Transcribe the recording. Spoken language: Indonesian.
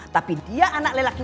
tapi dia anak lelaki